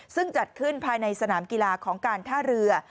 ซึ่งจัดขึ้นภายในสนามกีฬาของการท่าเรือ